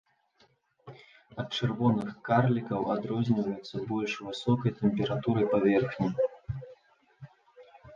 Ад чырвоных карлікаў адрозніваюцца больш высокай тэмпературай паверхні.